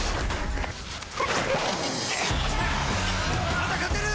まだ勝てる！